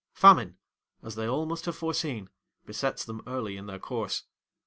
Famine, as they all must have foreseen, besets them early in their course.